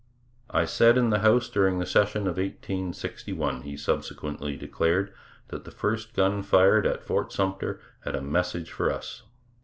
'I said in the House during the session of 1861,' he subsequently declared, 'that the first gun fired at Fort Sumter had a message for us.'